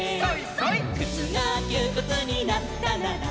「くつがきゅーくつになったなら」